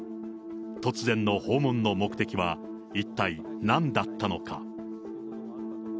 突然の訪問の目的は、一体なんだったのか。